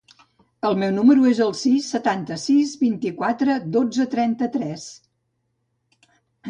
El meu número es el sis, setanta-sis, vint-i-quatre, dotze, trenta-tres.